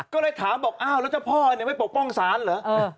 ก็เลยถามบอกอ้าวแล้วเจ้าพ่อไม่ปกป้องศาลเหรอ